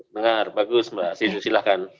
dengar bagus mbak sinu silahkan